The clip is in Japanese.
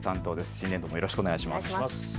新年度、よろしくお願いします。